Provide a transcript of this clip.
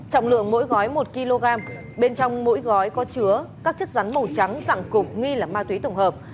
trọng lượng mỗi gói một kg bên trong mỗi gói có chứa các chất rắn màu trắng dạng cục nghi là ma túy tổng hợp